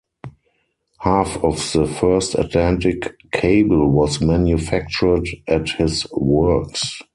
Half of the first Atlantic cable was manufactured at his works.